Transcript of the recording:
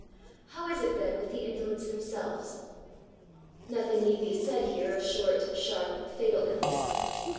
How is it then with the invalids themselves ? Nothing need be said here of short, sharp, fatal illness.